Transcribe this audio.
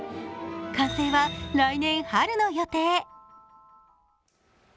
完成は来年春の予定。